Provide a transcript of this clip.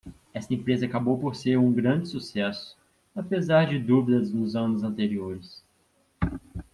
Esta empresa acabou por ser um grande sucesso, apesar de dúvidas nos anos anteriores.